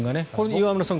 岩村さん